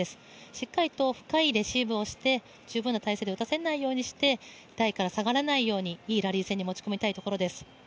しっかりと深いレシーブをして十分な体勢で撃たせないようにして、台から下がらないように、いいラリー戦に持ち込みたいところです。